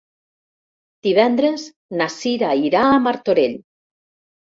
Divendres na Cira irà a Martorell.